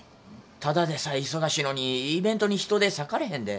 ただでさえ忙しいのにイベントに人手割かれへんで。